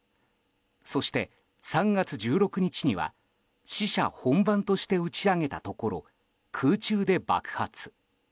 そして３月１６日には試射本番として打ち上げたところ空中で爆発。